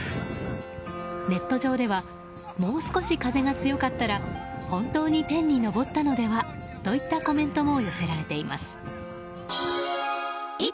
ネット上ではもう少し風が強かったら本当に天に上ったのではというコメントも寄せられています。